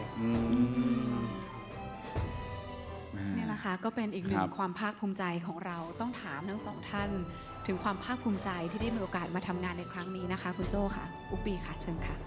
นี่นะคะก็เป็นอีกหนึ่งความภาคภูมิใจของเราต้องถามทั้งสองท่านถึงความภาคภูมิใจที่ได้มีโอกาสมาทำงานในครั้งนี้นะคะคุณโจ้ค่ะอุ๊บปีค่ะเชิญค่ะ